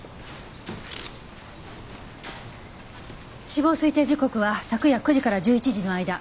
死亡推定時刻は昨夜９時から１１時の間。